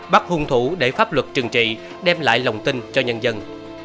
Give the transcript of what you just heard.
bắt hung thủ để pháp luật trừng trị đem lại lòng tin cho nhân dân